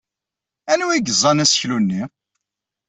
Anwa ay yeẓẓan aseklu-nni?